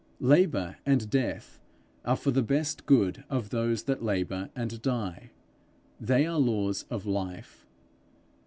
Labour and death are for the best good of those that labour and die; they are laws of life.